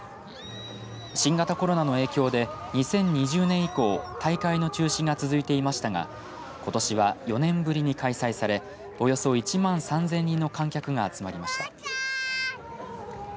新型コロナの影響で２０２０年以降大会の中止が続いていましたがことしは４年ぶりに開催されおよそ１万３０００人の観客が集まりました。